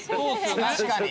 確かに。